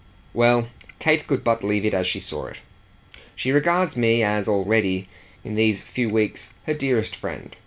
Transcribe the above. Well, Kate could but leave it as she saw it. "She regards me as already in these few weeks her dearest friend.